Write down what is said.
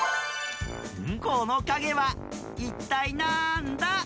このかげはいったいなんだ？